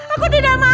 aku tidak mau